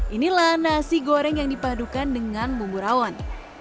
inilah nasi goreng yang dipadukan dengan bumbu rawon